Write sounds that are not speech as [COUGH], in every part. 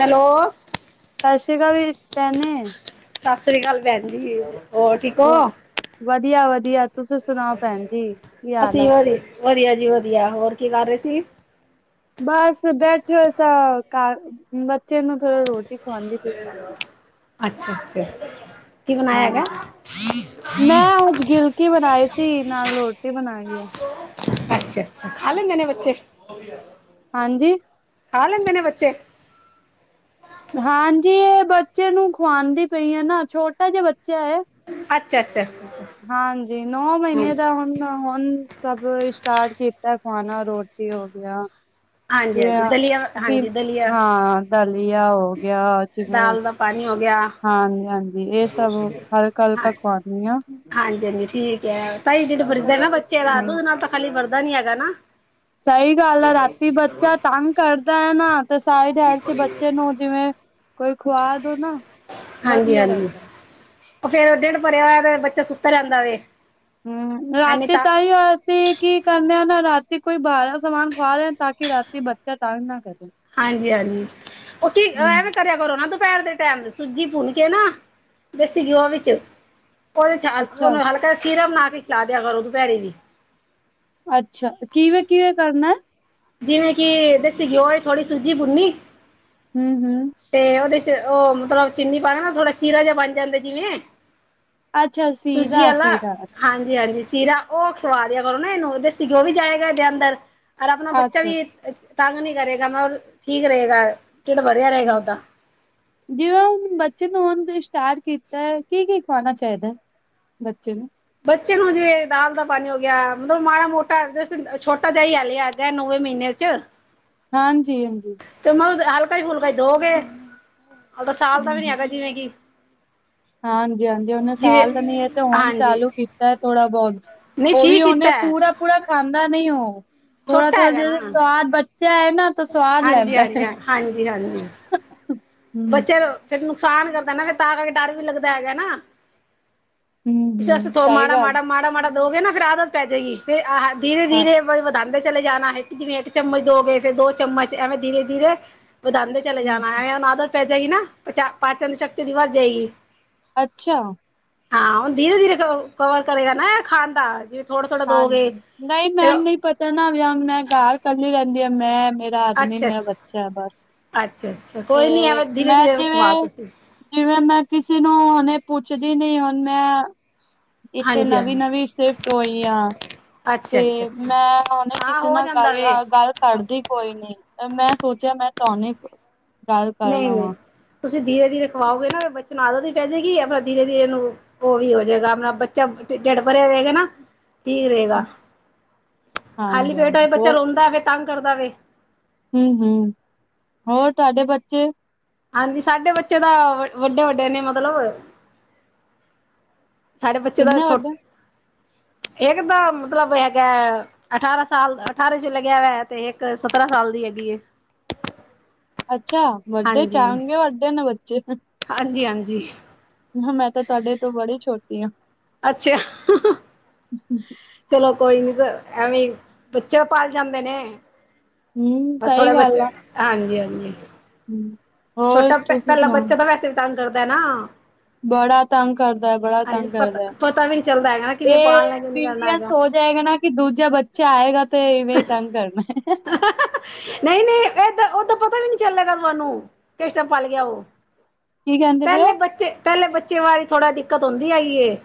Hello. ਸਤਿ ਸ਼੍ਰੀ ਅਕਾਲ, ਵੀਰ [UNINTELLIGIBLE] ਸਤਿ ਸ੍ਰੀ ਅਕਾਲ, ਭੈਣ ਜੀ ਹੋਰ ਠੀਕ ਓ। ਉਹ ਵਧੀਆ- ਵਧੀਆ! ਤੁਸੀ ਸੁਣਾਓ ਭੈਣ ਜੀ ਕੀ ਹਾਲ ਅਸੀਂ ਆ। ਵਧੀ ਵਧੀਆ ਜੀ ਵਧੀਆ, ਹੋਰ ਕੀ ਕਰ ਰਹੇ ਸੀ। ਬਸ ਬੈਠੇ ਹੋ ਸਾ, ਘਰ ਬੱਚੇ ਨੂੰ ਥੜ ਰੋਟੀ, ਖਵਾਉਂਦੀ ਪਈ ਸਾਂ ਅੱਛਾ-ਅੱਛਾ! ਕੀ ਬਣਾਇਆ ਹੈਗਾ। ਹਾਂਜੀ ਮੈਂ ਅੱਜ ਗਿਲਕੀ ਬਣਾਈ ਸੀ ਨਾਲ ਰੋਟੀ ਬਣਾਈ ਆ ਅੱਛਾ-ਅੱਛਾ! ਖਾ ਲੈਂਦੇ ਨੇ ਬੱਚੇ ਹਾਂਜੀ! ਖਾ ਲੈਂਦੇ, ਨੇ ਬੱਚੇ ਹਾਂਜੀ ਇਹ ਬੱਚੇ ਨੂੰ ਖਵਾਉਦੀ ਪਈ ਐ, ਨਾ ਛੋਟਾ ਜਿਹਾ ਬੱਚਾ ਐ। ਅੱਛਾ, ਅੱਛਾ। ਹਾਂਜੀ ਨੌ ਹਾਂ ਮਹੀਨੇ ਦਾ ਹੁਨ, ਹੁਨ ਸਬ ਸਟਾਰਟ ਕੀਤੇ ਖਖਾਨਾ ਰੋਟੀ ਹੋਗੇਆ ਹਾਂਜੀ ਹਾਂਜੀ ਦਲੀਆ ਹਾਂਜੀ [UNINTELLIGIBLE] ਦਲੀਆ ਹਾਂ, ਦਲੀਆ ਹੋ ਗੇਆ ਜਿਵੇਂ ਪਾਣੀਂ ਹੋ ਗੇਆ। ਹਾਂਜੀ, ਹਾਂਜੀ ਏ ਸਬ ਹਲਕਾ, ਹਲਕਾ ਖਵਾ ਦੇਨੀ ਆਂ। [UNINTELLIGIBLE] ਠੀਕ ਕੈ, ਤਾਂਈ ਡਿਡ ਭਰਦੈ ਨਾ ਬੱਚੇ ਸਿਸਟਮ ਦਾ, ਹੈ ਹੀ ਨਹੀਂ ਦੂੱਦ ਨਾਲ ਤਾਂ ਖਾਲੀ ਭਰਦਾ ਨੀ ਹੈਗਾ ਨਾ। ਕਿ ਬੱਚਾ ਤੰਗ ਕਰਦੈ ਨਾ, ਤੇ ਸਾਰੀ ਰਾਤ ਚ ਬੱਚੇ ਨੂੰ ਜਿਵੇਂ ਕੋਈ ਖੁਆ ਦੇ ਨਾ ਹਾਂਜੀ, ਵਧੀਆ ਹਾਂਜੀ। ਰਹਿੰਦਾ ਓ ਫੇਰ ਡਿਡ ਭਰੇ ਆ ਹੋਏ ਆ ਤੇ ਬੱਚਾ ਸੁੱਤਾ ਰੈਂਦਾ ਵੇ। ਹੂੰ, ਐਨੀ ਰਾਤੀ ਤਾਂ ਤਾਂਈਓ ਅਸੀ ਕੀ ਕਰਨੇ ਆ ਨਾ ਰਾਤੀ ਕੋਈ ਭਾਰਾ ਸਮਾਨ ਖਵਾਦੇ ਤਾਕੀ ਰਾਤੀ ਬੱਚਾ ਤਾੰਗ ਨਾ ਕਰੇ। ਹਾਂਜੀ, ਹਾਂਜੀ ਓ ਕੀ ਹਮ ਐਵੇਂ ਕਰੇਆ ਕਰੋ ਨਾ ਦੂਪੈਰ ਦੇ ਟੈਮ ਤੇ ਸੂੱਜੀ ਭੁੰਨ ਕੇ ਨਾ ਦੇਸੀ ਘਿਓ ਵਿੱਚ ਓਦੇ ਚ ਹਲ ਅੱਛਾ ਹਲਕਾ ਜਾ ਸੀਰਾ ਬਨਾ ਕੇ ਖਿਲਾ ਦੇਆ ਕਰੋ ਦੁਪੈਰੀ ਵੀ। ਅੱਛਾ ਕਿਵੇਂ-ਕਿਵੇਂ ਕਰਨਾ ਐ? ਜਿਵੇਂ ਕਿ ਦੇਸੀ ਘਿਓ ਏ ਥੋੜੀ ਸੂਜੀ ਭੂੱਨੀ ਹੂੰ-ਹੂੰ। ਤੇ ਓਦੇ ਚ ਓ ਮਤਲਬ ਚੀਨੀ ਪਾਨਾ ਨਾ ਥੋੜਾ ਸੀਰਾ ਜਾ ਬਨ ਜਾਂਦਾ ਜਿਵੇਂ। ਅੱਛਾ ਸੀਰਾ-ਸੀਰਾ। ਹਾਂਜੀ-ਹਾਂਜੀ ਸੀਰਾ ਓ ਖਵਾ ਦੇਆ ਕਰੋ ਨਾ ਏਨੂੰ ਦੇਸੀ ਘਿਓ ਵੀ ਜਾਏਗਾ ਏਦੇ ਅੰਦਰ ਅਰ ਅਪਨਾ ਬੱਚਾ ਅੱਛਾ ਵੀ ਤਾੰਗ ਨੀ ਕਰੇਗਾ ਨਾ ਔਰ ਠੀਕ ਰਹੇਗਾ, ਡਿਡ ਭਰੇਆ ਰੇ ਹਾਂਜੀ। ਜਿਵੇਂ ਹੁਨ ਬੱਚੇ ਨੂੰ ਹੋਨ ਤੋ ਸਟਾਰਟ ਕੀਤੈ ਏ ਕੀ-ਕੀ ਖਵਾਨਾ ਚਾਈਦਾ ਐ? ਬੱਚੇ ਨੂੰ ਬੱਚੇ ਨੂੰ ਜਿਵੇਂ ਦਾਲ ਦਾ ਪਾਨੀ ਹੋ ਗੇਆ ਮਤਲਬ ਮਾੜਾ-ਮੋਟਾ ਜ ਛੋਟਾ ਜਾ ਈ ਹਲੇ ਈ ਐ। ਐ ਨੌਵੇਂ ਮਹੀਨੇ ਚ। ਹਾਂਜੀ-ਹਾਂਜੀ। ਤੇ [UNINTELLIGIBLE] ਹਲਕਾ ਈ ਫੁਲਕਾ ਈ ਦੋਗੇ, ਹਲੇ ਤਾਂ ਸਾਲ ਦਾ ਵੀ ਨੀ ਹੂੰ-ਹੂੰ। ਹੈਗਾ ਜਿਵੇਂ ਕਿ ਹਾਂਜੀ-ਹਾਂਜੀ ਹੂਨੇ ਜਿਵੇਂ ਸਾਲ ਦਾ ਨੀ ਏ ਤੇ ਹੂਨ ਹਾਂਜੀ ਚਾਲੂ ਕੀਤਾ ਐ ਥੋੜਾ ਬੋਤ ਨਹੀਂ ਓ ਵੀ ਠੀਕ ਓਨੇ ਏ ਕੀਤਾ ਹੈ ਪੂਰਾ-ਪੂਰਾ ਖਾਂਦਾ ਨੀ ਓ, ਛੋਟਾ ਥੋੜਾ-ਥੋੜਾ ਹੈਗਾ ਨਾ ਜ ਸਵਾਦ ਬਚ ਚਾ ਏ ਨਾਂ ਤਾ ਸਵਾਦ ਹਾਂਜੀ ਲੈਂਦਾ। ਹਾਂਜੀ ਹਾਂਜੀ ਹਾਂਜੀ ਹੂੰ। ਬੱਚੇ ਨੂੰ ਫੇਰ ਨੁਕਸਾਨ ਕਰਦਾ ਐ ਨਾ ਫੇਰ ਤਾਂ ਕਾਰਕੇ ਡਾਰ ਵੀ ਲੱਗਦਾ ਹੈਗਾ ਨਾ। ਸ ਏਸੇ ਹੂੰ-ਹੂੰ ਤੋ ਸਹੀ ਗੱਲ ਮਾੜਾ-ਮਾੜਾ-ਮਾੜਾ-ਮਾੜਾ ਦੋਗੇ ਨਾ ਫੇਰ ਆਦਤ ਪੈ ਜੇਗੀ ਫੇਰ ਆ ਹਾਂ। ਧੀਰੇ-ਧੀਰੇ ਵ ਵਧਾਂਦੇ ਚਲੇ ਜਾਨਾ ਏ। ਜਿਵੇਂ ਏਕ ਚਮਚ ਦੋਗੇ, ਫੇਰ ਦੋ ਚਮਚ ਐਵੇਂ ਧੀਰੇ-ਧੀਰੇ ਵਧਾਂਦੇ ਚਲੇ ਹੂੰ। ਜਾਨਾ, ਐਵੇਂ ਓਨ ਆਦਤ ਪੈ ਜੇਗੀ ਨਾ, ਪਚਾ ਪਾਚਨ ਸ਼ਕਤੀ ਈਦੀ ਵੱਧ ਜੇਗੀ। ਅੱਛਾ। ਹਾਂ ਹੁਨ ਧੀਰੇ-ਧੀਰੇ ਕਵ ਕਵਰ ਕਰੇਗਾ ਨਾ ਐ ਖਾਨ ਦਾ ਜੀ ਹਾਂਜੀ, ਨਈ ਮੈਨ ਨੀ ਪਤਾ ਨਾ ਵੇਯਮ, ਮੈਂ ਘਾਰ ਕੱਲੀ ਰੈਂਦੀ ਆ, ਮੈਂ ਮੇ ਆਦਮੀ ਅੱਛਾ ਮੈਰਾ ਅੱਛਾ ਬੱਚਾ ਐ ਬਾੱਸ, ਅੱਛਾ ਅੱਛਾ ਕੋਈ ਨੀ ਤੇ ਐਵੇਂ ਧੀਰੇ ਮੈਂ ਧੀਰੇ ਜਿਵੇਂ ਖਵਾਓ ਤੁਸੀਂ ਜਿਵੇਂ ਮੈਂ ਕਿਸੀ ਨੂੰ ਹੂਨੇ ਪੁੱਛਦੀ ਨੀ ਹੂਨ ਮੈਂ ਇੱਥੇ ਹਾਂਜੀ ਹਾਂਜੀ ਨਵੀਂ-ਨਵੀਂ ਸਿਫਟ ਹੋਈ ਆਂ। ਅੱਛਾ ਅੱਛਾ ਤੇ ਮੈਂ ਹੋਨੇ ਅੱਛਾ ਹਾਂ ਕਿਸੇ ਹੋ ਨਾਲ ਜਾਂਦਾ ਗਾੱਲ ਵੇ ਹਾਂ ਗਾੱਲ ਕੜਦੀ ਕੋਈ ਨੀ, ਮੈਂ ਸੋਚੇਆ ਮੈਂ ਤੂਆਨੂੰ ਈ ਨਈ-ਨਈ, ਤੂਸੀਂ ਧੀਰੇ-ਧੀਰੇ ਖਵਾਓਗੇ ਨਾ ਬੱਚੇ ਨੂੰ ਆਦਤ ਵੀ ਪੈ ਜੇਗੀ ਅਪਨਾ ਧੀਰੇ-ਧੀਰੇ ਏਨੂੰ। ਓ ਵੀ ਹੋ ਜੇਗਾ, ਅਪਨਾ ਬੱਚਾ ਡਿ ਟੇਡ ਭਰੇਆ ਰੇਗਾ ਨਾ ਠੀਕ ਰੇਗਾ, ਖਾਲੀ ਹਾਂਜੀ ਪੇਟ ਹੋ ਬੱਚਾ ਰੋਂਦਾ ਐ ਫੇਰ ਤਾੰਗ ਕਰਦਾ ਵੇ। ਹੂੰ-ਹੂੰ ਹੋਰ ਤੁਆਡੇ ਬੱਚੇ ਹਾਂਜੀ ਸਾਡੇ ਬੱਚੇ ਤਾਂ ਵਡ ਵੱਡੇ-ਵੱਡੇ ਨੇ ਮਤਲਬ ਸਾਡੇ ਬੱਚੇ ਦਾ ਕਿੰਨੇ ਛੋਟ ਵੱਡੇ? ਏਕ ਦਾ ਮਤਲਬ ਹੈਗਾ ਐ ਅਠਾਰਾਂ ਸਾਲ ਅਠਾਰਾਂ ਚ ਲੱਗਿਆ ਹੋਯਾ ਤੇ ਏਕ ਸਤਰਾਂ ਸਾਲ ਦੀ ਹੈਗੀ ਏ। ਅੱਛਾ ਵੱਡੇ ਚ‌ ਆਣਗੇ ਵੱਡੇ ਨੇ ਬੱਚੇ ਹਾਂਜੀ-ਹਾਂਜੀ। ਮੈਂ ਤਾਂ ਤੁਆਡੇ ਤੋਂ ਬੜੀ ਛੋਟੀ ਆ। ਅੱਛਾ। [INAUDIBLE] ਚਲੋ ਕੋਈ ਨੀ ਵ ਐਵੇਂ ਬੱਚੇ ਪਾਲ ਜਾਂਦੇ ਨੇ। ਹੂੰ ਬਸ ਸਹੀ ਥੋੜੇ ਬੱਚੇ, ਹਾਂਜੀ-ਹਾਂਜੀ। ਹੂੰ। ਛੋਟਾ ਪਹਿਲਾਂ ਬੱਚਾ ਤਾਂ ਵੈਸੇ ਵੀ ਤੰਗ ਕਰਦਾ ਨਾ। ਬੜਾ ਤੰਗ ਕਰਦਾ-ਬੜਾ ਹਾਂਜੀ ਤੰਗ ਪਤਾ ਕਰਦਾ ਪਤਾ ਵੀ ਨਹੀਂ ਚੱਲਦਾ ਹੈਗਾ ਨਾ ਕਿਵੇਂ ਇਹ ਪਾਲਣਾ ਕਿਵੇਂ ਕਰਨਾ ਐਕਸਪੀਰੀਅੰਸ ਹੈਗਾ ਹੋ ਜਾਏਗਾ ਨਾ। ਵੀ ਦੂਜਾ ਬੱਚਾ ਆਏਗਾ ਤੇ ਇਵੇਂ ਹੀ ਤੰਗ ਕਰਨਾ ਹੈ। ਨਹੀਂ-ਨਹੀਂ, ਏਦ ਓਦਾ ਪਤਾ ਵੀ ਨਹੀਂ ਚੱਲੇਗਾ ਤੁਹਾਨੂੰ ਕਿਸ ਟਾਈਮ ਪਲ ਗਿਆ ਉ। ਕੀ ਕਹਿੰਦੇ ਪਏ ਪਹਿਲੇ ਹੋ ਬੱਚੇ ਪਹਿਲੇ ਬੱਚੇ ਵਾਰੀ ਥੋੜ੍ਹਾ ਦਿੱਕਤ ਉਦੀ ਆਈ ਏ।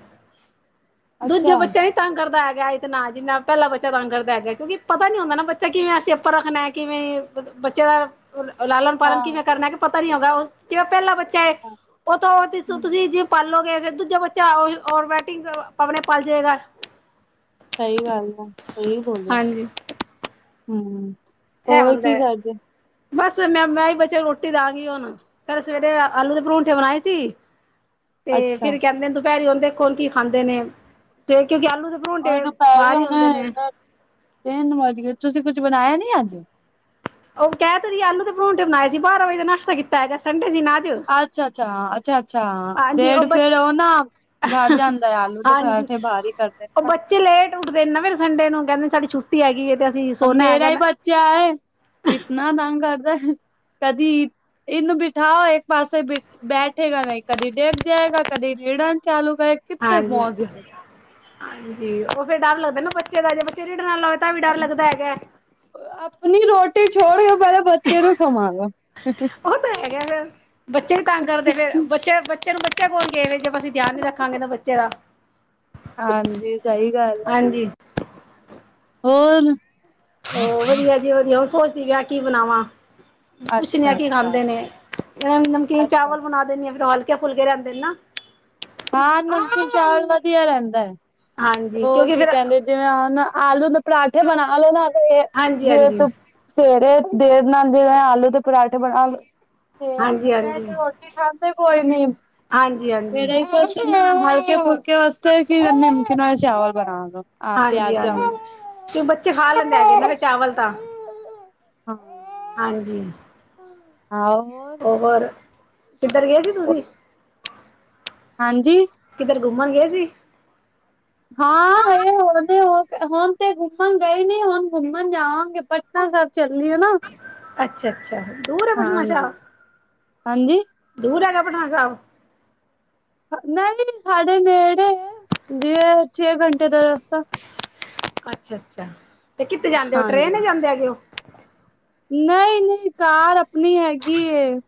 ਦੂਜਾ ਅੱਛਾ ਬੱਚਾ ਨੀ ਤੰਗ ਕਰਦਾ ਹੈਗਾ ਇਤਨਾ ਜਿੰਨਾ ਪਹਿਲਾ ਬੱਚਾ ਤੰਗ ਕਰਦਾ ਹੈਗਾ। ਕਿਉਂਕਿ ਪਤਾ ਨੀ ਹੁੰਦਾ ਨਾ ਬੱਚਾ ਕਿਵੇਂ ਅਸੀਂ ਆਪਾਂ ਰੱਖਣਾ ਕਿਵੇਂ ਬੱਚੇ ਦਾ ਹਾਂ ਲਾਲਨ-ਪਾਲਣ ਕਿਵੇਂ ਕਰਨਾ ਕਿ ਪਤਾ ਨੀ ਹੋਗਾ ਉ ਜਿਵੇਂ ਪਹਿਲਾ ਬੱਚਾ ਹੈ ਹਾਂ ਉ ਤੋਂ ਤੁਸੀਂ ਜਿ ਪਲੋਗੇ ਫੇਰ ਦੂਜਾ ਬੱਚਾ ਆਟੋਮੈਟਿਕ ਆਪਣੇ ਪਲ ਜਾਏਗਾ। ਸਹੀ ਗੱਲ ਹੈ, ਸਹੀ ਬੋਲਿਆ ਹਾਂਜੀ। ਹੂੰ। ਇਹ ਹੁੰਦਾ ਏ ਬਸ ਮੈਂ-ਮੈਂ ਹੀ ਬੱਚਿਆ ਨੂੰ ਰੋਟੀ ਦਾਂਗੀ ਹੁਣ। ਕੱਲ ਸਵੇਰੇ ਆਲੂ ਦੇ ਪਰੌਂਠੇ ਬਣਾਏ ਸੀ। ਤੇ ਅੱਛਾ ਫਿਰ ਕਹਿੰਦੇ ਨੇ ਦੁਪਹਿਰੀ ਉਨ ਦੇਖੋ ਕੀ ਖਾਂਦੇ ਨੇ ਸਵੇ ਕਿਉਂਕਿ ਆਲੂ ਦੇ ਅਜ ਪਰੌਂਠੇ ਦੋਪੈਰੇ ਬਾਹਰ ਹੀ ਉਨ ਹੁੰਦੇ ਨੇ। ਤੀਨ ਵਜ ਗਏ ਤੁਸੀਂ ਕੁੱਝ ਬਣਾਇਆ ਨੀ ਅੱਜ। ਉਹ ਕਹਿ ਤੇ ਰੀ ਆਲੂ ਦੇ ਪਰੋਂਟੇ ਬਣਾਏ ਸੀ, ਬਾਰਾਂ ਵਜੇ ਦਾ ਨਸ਼ਤਾ ਕੀਤਾ ਹੈਗਾ, ਸੰਡੇ ਸੀ ਨਾ ਅੱਜ। ਅੱਛਾ-ਅੱਛਾ ਹਾ ਅੱਛਾ-ਅੱਛਾ ਹਾ, ਦੇ ਹਾਂਜੀ ਬ ਫੇਿਰ ਉਹ ਨਾ ਭਰ ਜਾਂਦਾ ਆ ਆਲੂ ਤੇ ਪਰਾਂਠੇ ਭਾਰੀ ਕਰਦੇ ਨੇ। ਉ ਨਾ। ਬੱਚੇ ਲੇਟ ਉੱਠਦੇ ਨੇ ਨਾ ਫਿਰ ਸੰਡੇ ਨੂੰ ਕਹਿੰਦੇ ਸਾਡੀ ਛੁੱਟੀ ਟੀ ਹੈਗੀ ਹੈ ਤੇ ਅਸੀਂ ਸੋਨਾ ਮੇਰਾ ਹੈਗਾ ਹੀ ਨਾ ਬੱਚਾ ਹੈ, ਇਤਨਾ ਤੰਗ ਕਰਦਾ ਕਦੀ ਇਨੂੰ ਬਿਠਾਓ ਇੱਕ ਪਾਸੇ ਬਿ ਬੈਠੇਗਾ, ਕਦੇ ਡਿੱਗ ਜਾਏਗਾ, ਕਦੇ ਰਿਡਨ ਚਾਲੂ ਕਰੇਗਾ। ਹਾਂਜੀ-ਹਾਂਜੀ, ਉ ਫੇਰ ਡਰ ਲੱਗਦਾ ਨਾ ਬੱਚੇ ਦਾ ਜੇ ਬੱਚਾ ਰੀਡਨ ਵਾਲਾ ਤਾ ਵੀ ਡਰ ਲੱਗਦਾ ਹੈਗਾ। ਆਪਣੀ ਰੋਟੀ ਛੋੜ ਕੇ ਪਹਿਲੇ ਬੱਚੇ ਨੂੰ ਸਮਭਾ ਲੋ। ਉਹ ਤਾਂ ਹੈਗਾ ਫਿਰ, ਬੱਚੇ ਵੀ ਤੰਗ ਕਰਦੇ, ਫੇਰ ਬੱਚੇ ਬੱਚੇ ਨੂੰ ਬੱਚਾ ਕੋਨ ਕਹੇਗ ਜੇ ਅਸੀਂ ਧਿਆਨ ਨੀ ਰੱਖਾਂਗੇ ਤਾ ਬੱਚੇ ਦਾ, ਹਾਂਜੀ ਸਹੀ ਗੱਲ ਹੈ ਹਾਂਜੀ। ਹੋਰ। ਉ ਵਧਿਆ- ਵਧੀਆ-ਵਧਿਆ, ਹੁਣ ਸੋਚਦੀ ਪਿਆ ਕੀ ਬਣਾਵਾ? ਪੁੱਛਨਿਆ ਅੱਛਾ ਕੀ ਅੱਛਾ ਖਾਂਦੇ ਨੇ, ਨਮਕੀਨ ਅੱਛਾ ਚਾਵਲ ਬਣਾ ਦਿੰਦੀ ਆ ਫਿਰ ਹਲਕੇ-ਫੁਲਕੇ ਰਹਿੰਦੇ ਨੇਨਾ। ਹਾਂ, ਨਮਕੀਨ ਚਾਵਲ ਵਧੀਆ ਰਹਿੰਦਾ ਹੈ ਹਾਂਜੀ ਉ ਕਿਉਂਕਿ ਕੀ ਫਿਰ ਕਹਿੰਦੇ ਜਿਵੇਂ ਹੁਨ ਆਲੂ ਦੇ ਪਰਾਂਠੇ ਬਣਾਲੋ ਨਾ ਹਾਂਜੀ ਜਿਵੇ ਹਾਂਜੀ ਤੂ ਸਵੇਰੇ ਦੇਰ ਨਾਲ ਜਿਵੇਂ ਆਲੂ ਦੇ ਪਰਾਂਠੇ ਬਣਾ ਲ ਤੇ ਆਉਂਦੇ ਹਾਂਜੀ ਹਾਂਜੀ ਦੁਪਹਿਰੇ ਹਾਂਜੀ ਰੋਟੀ ਖਾਂਦੇ ਕੋਈ ਨੀ ਹਾਂਜੀ ਸਵੇਰੇ ਹੀ ਹਲਕੇ-ਫੁਲਕੇ ਵਸਤੇ ਕਿ ਕਰਨੀ ਨਮਕਿਨ ਚਾਵਲ ਬਣਾਦੋ। ਹਾਂਜੀ-ਹਾਂਜੀ, ਤੇ ਬੱਚੇ ਖਾ ਲੈਂਦੇ ਹੈਗੇ ਨਾ ਚਾਵਲ ਤਾਂ। ਹਾਂ। ਹਾਂਜੀ। ਆਹੋ। ਹੋਰ, ਗੁਰਦੁਆਰੇ ਗਏ ਸੀ ਤੁਸੀਂ। ਹਾਂਜੀ, ਕਿੱਧਰ ਘੁੰਮਣ ਗਏ ਸੀ? [UNINTELLIGIBLE] ਘੁੰਮਣ ਗਏ ਨੀ ਹੁਣ ਘੁੰਮਣ ਜਾਵਾਂਗੇ ਪਟਨਾ ਸਾਹਿਬ ਚੱਲੀ ਏ ਨਾ ਅੱਛਾ ਅੱਛਾ ਦੂਰ ਹੈ ਹਾਂ ਪਟਨਾ ਸਾਹਿਬ ਹਾਂਜੀ-ਹਾਂਜੀ ਦੂਰ ਹੈਗਾ ਪਟਨਾ ਸਾਹਿਬ ਨਹੀਂ ਸਾਡੇ ਨੇੜੇ ਏ ਜਿਵੇ ਛੇ ਘੰਟੇ ਦਾ ਰਸਤਾ ਅੱਛਾ-ਅੱਛਾ ਤੇ ਕਿੱਤੇ ਜਾਂਦੇ ਉਹ ਟਰੇਨ ਇਚ ਜਾਂਦੇ ਹੈਗੇ ਔ ਨਹੀਂ-ਨਹੀਂ ਕਾਰ ਅਪਨੀ ਹੈਗੀ ਏ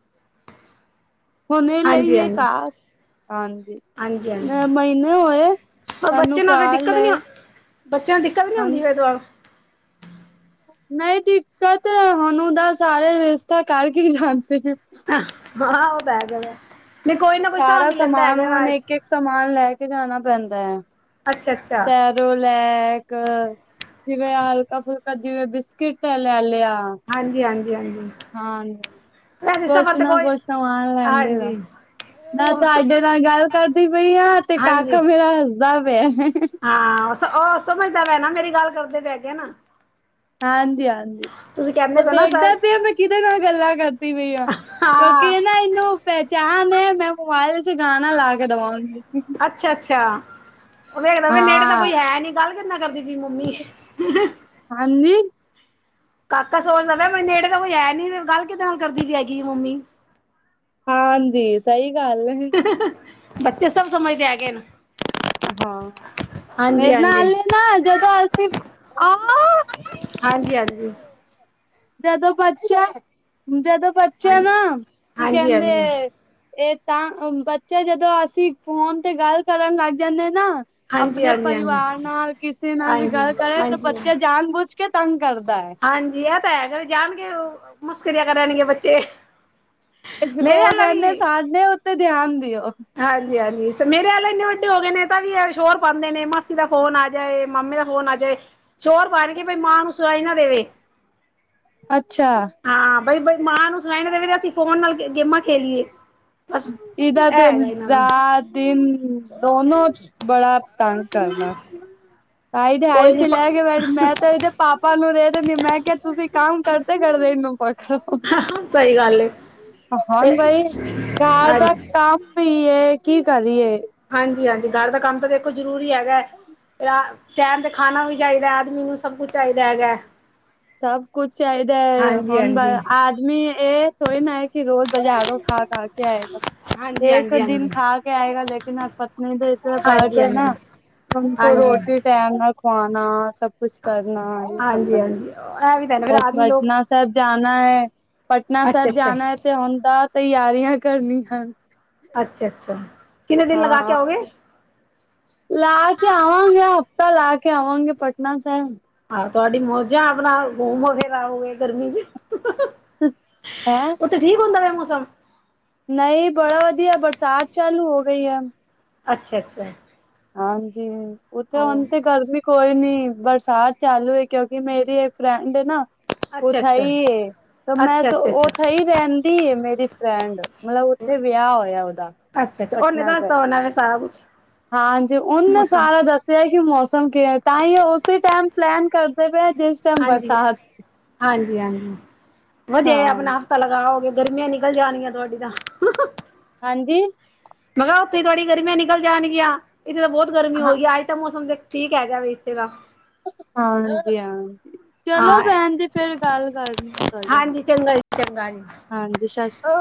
ਹੁਨੇ ਲਈ ਹਾਂਜੀ ਏ ਹਾਂਜੀ ਕਾਰ ਹਾਂਜੀ ਹਾਂਜੀ ਹਾਂਜੀ ਮਹੀਨਾ ਹੋਐ ਪਰ ਸਾਨੂੰ ਬੱਚੇ ਨਾਲ ਫਿਰ ਕਾਰ ਦਿੱਕਤ ਨੀ ਲਏ ਬੱਚਿਆਂ ਨੂੰ ਦਿੱਕਤ ਨੀ ਹੋੰਦੀ ਹਨ ਏਤਵਾਰ ਨਹੀਂ ਦਿੱਕਤ ਹੁਨ ਉਦਾ ਸਾਰੇ ਰਿਸ਼ਤਾ ਕਰਕੇ ਈ ਜਾਂਦੇ ਨੇ ਆਹ ਉਹ ਬਹਿ ਗਿਆ ਵੇ ਨਹੀਂ ਕੋਈ ਨਾ ਕੋਈ ਸਾਮਬ ਸਾਰਾ ਹੀ ਲੈਂਦਾ ਸਮਾਨ ਹੈਗਾ ਰਾਅ ਹੁਣ ਇਚ ਇੱਕ ਇੱਕ ਸਮਾਨ ਲੈ ਕੇ ਜਾਨਾ ਪੈਂਦਾ ਐ ਅੱਛਾ-ਅੱਛਾ ਲੈਕ ਜਿਵੇਂ ਹਲਕਾ ਫੁਲਕਾ ਜਿਵੇਂ ਬਿਸਕਿਟ ਲੈ ਲਿਆ ਹਾਂਜੀ ਹਾਂਜੀ ਹਾਂਜੀ ਹਾਂਜੀ ਵੈਸੇ ਕੁਛ ਸਫ਼ਰ ਤੇ ਨਾ ਕੋਈ ਕੁਛ ਸਮਾਨ ਲੈੰਦੇ ਆ ਹਾਂਜੀ ਨਾ ਉਸ ਤੁਹਾਡੇ ਨਾਲ ਗੱਲ ਕਰਦੀ ਪਈ ਆ ਤੇ ਹਾਂਜੀ ਕਾਕਾ ਮੇਰਾ ਹੱਸਦਾ ਪਿਆ ਹਾਂ ਉਹ ਸਮਝਦਾ ਪੈਆ ਨਾ ਮੇਰੀ ਗੱਲ ਕਰਦੇ ਪੈ ਹੈਗੇ ਨੇ ਹਾਂਜੀ ਹਾਂਜੀ ਤੁਸੀਂ ਕਹਿੰਦੇ ਉਹ ਪਏ ਨਾ ਵੇਖਦਾ ਸਰ ਪੇਆ ਮੈਂ ਕਿਹਦੇ ਨਾਲ ਗੱਲਾਂ ਕਰਦੀ ਪਈ ਆ ਕਿਉਂਕਿ ਹਾਂ ਇਹ ਨਾ ਇਹਨੂੰ ਪਹਿਚਾਣ ਏ ਮੈਂ ਮੋਬਾਇਲ ਚ ਗਾਨਾ ਲਾ ਕੇ ਦਵਾੰਗੀ ਅੱਛਾ ਅੱਛਾ ਉਹ ਵੇਖਦਾ ਪੇਆ ਨੇੜੇ ਤਾਂ ਹਾਂ ਕੋਈ ਹੈ ਨੀ ਗੱਲ ਕਿੱਦੇ ਨਾਲ ਕਰਦੀ ਪਈ ਏ ਮੰਮੀ ਹਾਂਜੀ ਕਾਕਾ ਸੋਚਦਾ ਪੇਆ ਬਈ ਨੇੜੇ ਤਾਂ ਕੋਈ ਹੈ ਨੀ ਗੱਲ ਫੇਰ ਕਿੱਦੇ ਨਾਲ ਕਰਦੀ ਵੀ ਹੈਗੀ ਏ ਮੰਮੀ ਹਾਂਜੀ ਸਹੀ ਗੱਲ ਏ ਬੱਚੇ ਸਭ ਸਮਝਦੇ ਹੈਗੇ ਨੇ ਹਾਂ ਫਿਰ ਹਾਂਜੀ ਨਾ ਹਾਂਜੀ ਨਾਲੇ ਨਾ ਜਦੋਂ ਅਸੀਂ ਹਾਂਜੀ ਹਾਂਜੀ ਜਦੋਂ ਪਰਚਾ ਜਦੋਂ ਪਰਚਾ ਹਾਂਜੀ ਨਾ ਕੀ ਹਾਂਜੀ ਹਾਂਜੀ ਕਹਿੰਦੇ ਹਾਂਜੀ ਹਾਂਜੀ ਇਹ ਤਾਂ ਬੱਚੇ ਜਦੋਂ ਅਸੀਂ ਫੋਨ ਤੇ ਗੱਲ ਕਰਨ ਲੱਗ ਜਾਂਨੇ ਆ ਨਾ ਆਪਣੇ ਪਰਿਵਾਰ ਨਾਲ ਕਿਸੇ ਨਾਲ ਵੀ ਹਾਂਜੀ ਗੱਲ ਕਰੇ ਤਾਂ ਹਾਂਜੀ ਹਾਂਜੀ ਬੱਚੇ ਜਾਣ ਬੁਝ ਕੇ ਤੰਗ ਕਰਦਾ ਏ ਹਾਂਜੀ ਇਹ ਤਾਂ ਹੈਗਾ ਜਾਨ ਕੇ ਮਸ਼ਕਰੀਆਂ ਕਰਨਣਗੇ ਬੱਚੇ- ਮੇਰੇ ਉਹ ਵਾਲਾ ਕਹਿੰਦੇ ਵੀ ਸਾਡੇ ਉੱਤੇ ਧਿਆਨ ਦਿਓ ਹਾਂਜੀ ਹਾਂਜੀ ਮੇਰੇ ਆਲੇ ਇੰਨੇ ਵੱਡੇ ਹੋ ਗਏ ਨੇ ਤਾਂ ਵੀ ਇਹ ਸ਼ੋਰ ਪਾੰਦੇ ਨੇ ਮਾਸੀ ਦਾ ਫੋਨ ਆ ਜਾਏ ਮਾਮੇ ਦਾ ਫੋਨ ਆ ਜਾਏ ਫਿਰ ਸ਼ੋਰ ਪਾਨਗੇ ਬਾਈ ਮਾਂ ਨੂੰ ਸੁਨਾਈ ਨਾ ਦੇਵੇ ਅੱਛਾ ਹਾਂ ਬਈ ਮਾਂ ਨੂੰ ਸੁਨਾਈ ਨਾ ਦੇਵੇ ਅਸੀਂ ਫੋਨ ਨਾਲ ਗੇਮਾਂ ਖੇਲੀਏ ਬਸ ਇਹਦਾ ਇਹ ਤੇ ਹੈਗਾ ਇਹਨਾਂ ਦਾ ਰਾਤ ਦਿਨ ਦੋਨੋ ਬੜਾ ਤੰਗ ਕਰਨਾ ਤਾਂਈ ਦਿਹਾੜੀ ਕੋਈ ਚ ਨੀ ਲੈ ਕੇ ਬੈਠ ਮੈਂ ਤਾਂ ਇਹਦੇ ਪਾਪਾ ਨੂੰ ਦੇ ਦਿੰਨੀ ਮੈਂ ਕਿਹਾ ਤੁਸੀਂ ਕੰਮ ਕਰਦੇ-ਕਰਦੇ ਇਹਨੂੰ ਪੱਕੜ ਲੋ ਸਹੀ ਗੱਲ ਏ ਤੇ ਹਣ ਬਾਈ ਘਰ ਦਾ ਹਾਂਜੀ ਕੰਮ ਵੀ ਏ ਕੀ ਕਰੀਏ ਹਾਂਜੀ ਹਾਂਜੀ ਘਰ ਦਾ ਕੰਮ ਤਾਂ ਦੇਖੋ ਜ਼ਰੂਰੀ ਹੈਗਾ ਟੈਮ ਖਾਨਾ ਵੀ ਚਾਹੀਦਾ ਆਦਮੀ ਨੂੰ ਸਭ ਕੁਛ ਚਾਹੀਦਾ ਹੈਗਾ ਐ ਸਭ ਕੁਛ ਚਾਹੀਦਾ ਹੁਣ ਬ ਆਦਮੀ ਇਹ ਥੋੜੀ ਨਾ ਐ ਕਿ ਰੋਜ ਬਜਾਰੋ ਖਾ ਖਾ ਕੇ ਆਏਗਾ ਹਾਂਜੀ ਇੱਕ ਹਾਂਜੀ ਦਿਨ ਹਾਂਜੀ ਖਾ ਆਏਗਾ ਲੇਕਿਨ ਪਤਨੀ ਹਾਂਜੀ ਹਾਂਜੀ ਹਾਂਜੀ [UNINTELLIGIBLE] ਟਾਈਮ ਨਾਲ ਖਵਾਨਣਾ ਸਭ ਕੁਛ ਕਰਨਾ, ਹਾਂਜੀ-ਹਾਂਜੀ, ਉਹ ਪਟਨਾ ਸਾਹਿਬ ਜਾਨਾ ਐ ਪਟਨਾ ਅੱਛਾ ਸਾਹਿਬ ਅੱਛਾ ਜਾਨਾ ਐ। ਲਿਆਉਣ ਦਾ ਤਿਆਰੀਆਂ ਕਰਨੀਆਂ ਹਨ। ਅੱਛਾ-ਅੱਛਾ, ਹਾਂ, ਲਾ ਕੇ ਆਵਾਂਗੇ ਹਫ਼ਤਾ ਲਾ ਕੇ ਆਵਾਂਗੇ ਪਟਨਾ ਸਾਹਿਬ ਆਹੋ ਤੁਹਾਡੀ ਮੌਜ ਆਪਣਾ ਗੁਮ ਫਿਰ ਆਉਗੇ ਗਰਮੀ ਚ ਹੈਂ, ਉੱਥੇ ਠੀਕ ਹੁੰਦਾ ਪਿਆ ਮੌਸਮ ਨਈ ਬੜਾ ਵਧੀਆ ਬਰਸਾਤ ਚਾਲੂ ਹੋ ਗਈ ਐ। ਅੱਛਾ ਅੱਛਾ, ਹਾਂਜੀ, ਕਿਉਕਿ ਹੁਣ ਉਹ ਤੇ ਗਰਮੀ ਕੋਈ ਨੀ ਬਰਸਾਤ ਚਾਲੂ ਐ ਕਿਉਂਕਿ ਮੇਰੀ ਇਹ ਫਰੈਂਡ ਐ ਨਾ ਉਹ ਅੱਛਾ ਅੱਛਾ ਸਈ ਐ, ਤਾਂ ਮੈਂ ਅੱਛਾ ਅੱਛਾ ਅੱਛਾ ਉਥੇ ਈ ਰਹਿੰਦੀ ਐ ਮੇਰੀ ਫਰੈਂਡ ਮਤਲਬ ਉੱਥੇ ਵਿਆਹ ਹੋਇਆ ਉਹਦਾ, ਪਟਨਾ ਸਾਹਿਬ ਬਣਾਵੇ ਸਾਰਾ ਕੁਛ ਹਾਂਜੀ ਉਹਨਾ ਮੌਸਮ ਸਾਰਾ ਦੱਸਿਆ ਕਿ ਮੌਸਮ ਕਿਵੇ ਤਾਂ ਈ ਉਸੇ ਟੈਮ ਪਲੈਨ ਕਰਦੇ ਪਏ ਜਿਸ ਟਾਈਮ ਬਰਸਾਤ ਹਾਂਜੀ-ਹਾਂਜੀ-ਹਾਂਜੀ, ਵਧੀਆ ਜੀ ਹਾਂ ਆਪਣਾ ਪਤਾ ਲਗਾ ਹੋਗੇ ਗਰਮੀਆਂ ਨਿਕਲ ਜਾਣੀਆਂ ਤੁਹਾਡੀ ਤਾਂ ਹਾਂਜੀ? ਮੈਂ ਕਿਹਾ ਉੱਥੇ ਥੋੜੀ ਗਰਮੀਆਂ ਨਿਕਲ ਜਾਣਗੀਆਂ ਇੱਥੇ ਤਾਂ ਬਹੁਤ ਗਰਮੀਆਂ ਹਾਂ ਹੋਈ ਐ। ਤਾਂ ਮੌਸਮ ਠੀਕ ਹੈਗਾ ਵੇ ਇੱਥੇ ਦਾ ਹਾਂਜੀ-ਹਾਂਜੀ, ਚਲੋ ਹਾਂ ਭੈਣ ਦੀ ਫੇਰ ਗੱਲ ਕਰਨੀ ਆ ਤੁਹਾਡੇ ਨਾਲ ਹਾਂਜੀ ਚੰਗਾ ਜੀ ਚੰਗਾ ਜੀ ਹਾਂਜੀ ਸ